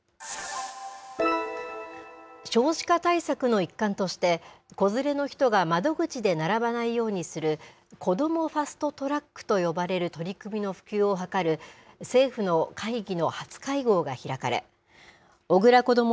少子化対策の一環として、子連れの人が窓口で並ばないようにする、こどもファスト・トラックと呼ばれる取り組みの普及を図る政府の会議の初会合が開かれ、小倉こども